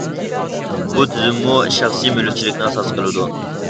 بۇ تۈزۈممۇ شەخسىي مۈلۈكچىلىكنى ئاساس قىلىدۇ.